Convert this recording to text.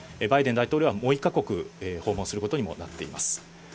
バイデン大統領はもう１か国訪問することにもなっています。